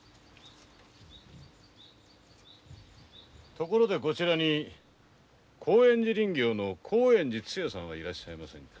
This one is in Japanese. ところでこちらに興園寺林業の興園寺つやさんはいらっしゃいませんか？